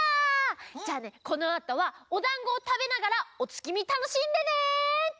じゃあねこのあとはおだんごをたべながらおつきみたのしんでね！